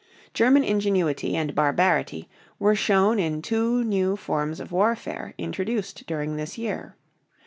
German ingenuity and barbarity were shown in two new forms of warfare introduced during this year.